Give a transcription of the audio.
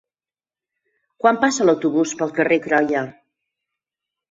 Quan passa l'autobús pel carrer Croia?